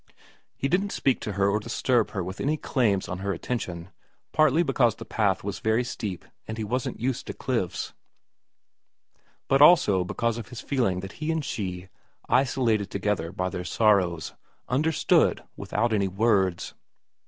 He didn't speak to her or disturb her with any claims on her attention, partly because the path was very steep and he wasn't used to cliffs, but also because of his feeling that he and she, isolated together by their sorrows, understood without any words.